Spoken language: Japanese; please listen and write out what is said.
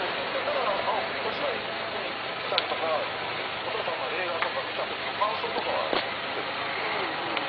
だからお芝居見に来たりとかお父さんの映画とか見たときの感想とかは言ってくれるんですけど。